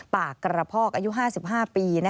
ปากกระพอกอายุ๕๕ปี